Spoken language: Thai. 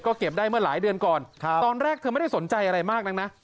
เก็บได้เมื่อหลายเดือนก่อนตอนแรกเธอไม่ได้สนใจอะไรมากนักนะ